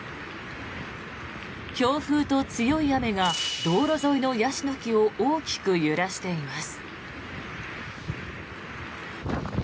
強風と強い雨が道路上のヤシの木を大きく揺らしています。